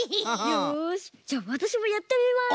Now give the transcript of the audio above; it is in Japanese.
よしじゃわたしもやってみます。